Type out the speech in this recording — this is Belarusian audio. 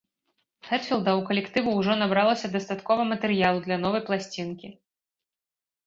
Хэтфілда, у калектыву ўжо набралася дастаткова матэрыялу для новай пласцінкі.